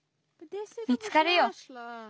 見つかるよ。